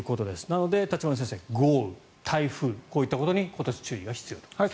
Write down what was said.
なので、立花先生豪雨、台風、こういったことに今年、注意が必要と。